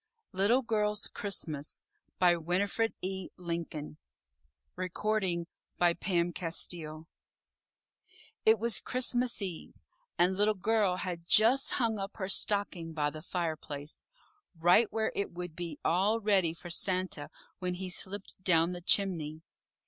LITTLE GIRL'S CHRISTMAS WINNIFRED E. LINCOLN It was Christmas Eve, and Little Girl had just hung up her stocking by the fireplace right where it would be all ready for Santa when he slipped down the chimney.